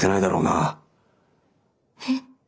えっ？